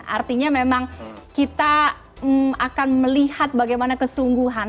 artinya memang kita akan melihat bagaimana kesungguhan